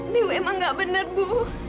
dewi emang nggak benar bu